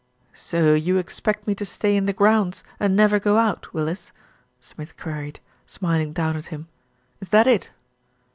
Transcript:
"So you expect me to stay in the grounds and never go out, Willis," Smith queried, smiling down at him. "Is that it?"